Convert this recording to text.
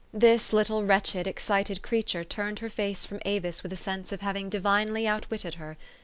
This little wretched, excited creature turned her face from Avis with a sense of having divinely outwitted her.